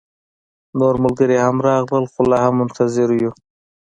نور ملګري هم راغلل، خو لا هم منتظر يو